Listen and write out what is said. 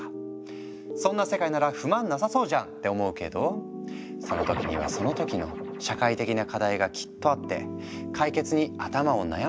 そんな世界なら不満なさそうじゃん！って思うけどその時にはその時の社会的な課題がきっとあって解決に頭を悩ませているんじゃないか？